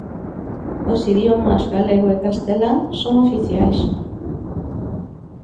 Os idiomas galego e castelán son oficiais.